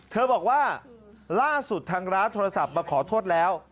เธอบอกว่าล่าสุดทางร้านโทรศัพท์มาขอโทษแล้ว